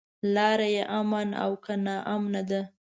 لاره يې امن او که ناامنه ده.